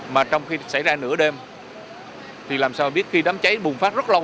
mà trong khi xảy ra nửa đêm thì làm sao biết khi đám cháy bùng phát rất lâu